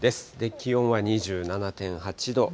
気温は２７．８度。